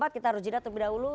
kita harus jeda terlebih dahulu